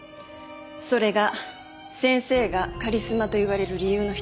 それが先生がカリスマと言われる理由の一つです。